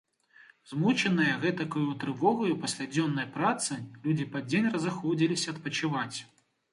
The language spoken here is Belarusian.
Змучаныя гэтакаю трывогаю пасля дзённай працы, людзі пад дзень разыходзіліся адпачываць.